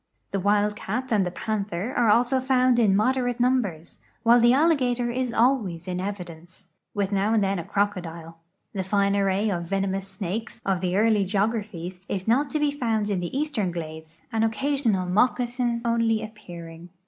The wild cat and the panther also are found in moderate numbers, while the alligator is always in evidence, with now and then a crocodile. The fine array of venomous snakes of the early geograjfiiies is not to be found in the eastern glades, an occasional moccasin only appearing.